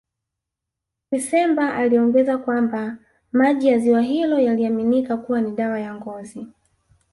Kisemba aliongeza kwamba maji ya ziwa hilo yaliaminika kuwa ni dawa ya ngozi